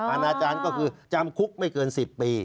อาณาจารย์ก็คือจำคุกไม่เกิน๑๐ปี